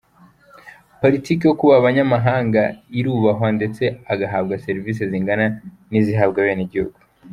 Politiki yo kubaha abanyamahanga irubahwa ndetse agahabwa serivisi zingana n’izihabwa abenegihugu.